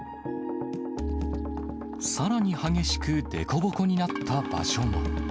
さらに激しく凸凹になった場所も。